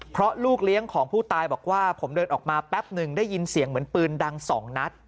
เพราะลูกเลี้ยงของผู้ตายบอกว่าผมเดินออกมาแป๊บหนึ่งได้ยินเสียงเหมือนปืนดังสองนัด